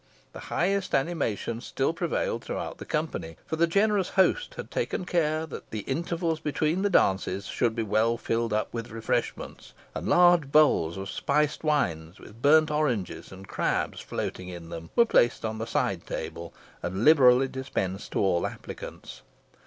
The highest animation still prevailed throughout the company, for the generous host had taken care that the intervals between the dances should be well filled up with refreshments, and large bowls of spiced wines, with burnt oranges and crabs floating in them, were placed on the side table, and liberally dispensed to all applicants.